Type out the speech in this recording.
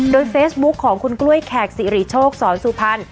โดยเฟซบุ๊คของคุณกล้วยแขกสิริโชคสอนสุพรรณ